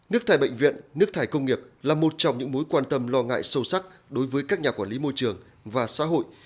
nước thải bệnh viện nước thải công nghiệp là một trong những mối quan tâm lo ngại sâu sắc đối với các nhà quản lý môi trường và xã hội